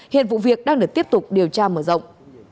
hiện vụ việc đang được tiếp tục điều tra mở rộng